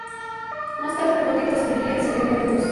Más tarde, por motivos de simetría, se colocaron dos.